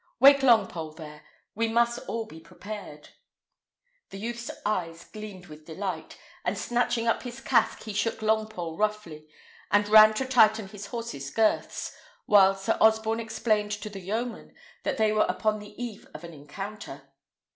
Wake Longpole there; we must be all prepared." The youth's eyes gleamed with delight, and snatching up his casque, he shook Longpole roughly, and ran to tighten his horse's girths, while Sir Osborne explained to the yeoman that they were upon the eve of an encounter.